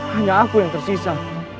hanya aku yang tersisa